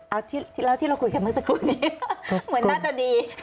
เอาแล้วที่เราคุยกันเมื่อสักครู่นี้เหมือนน่าจะดี